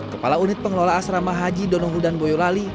kepala unit pengelola asrama haji donohudan boyolali